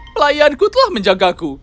pelayanku telah menjagaku